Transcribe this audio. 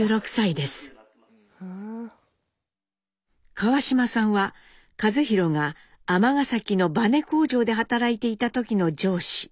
川島さんは一寛が尼崎のバネ工場で働いていた時の上司。